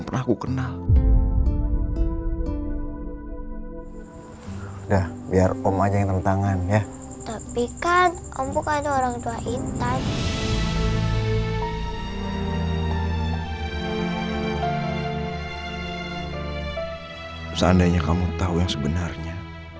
seandainya kamu tau yang sebenarnya